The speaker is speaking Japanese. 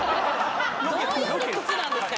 どういう理屈なんですか？